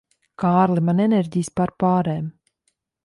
Kārli, man enerģijas pārpārēm.